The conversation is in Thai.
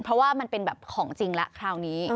เพราะว่ามันเป็นแบบของจริงแล้วคราวนี้